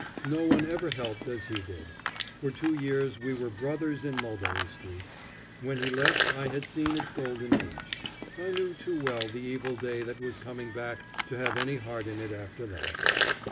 No one ever helped as he did. For two years we were brothers in Mulberry Street. When he left I had seen its golden age. I knew too well the evil day that was coming back to have any heart in it after that.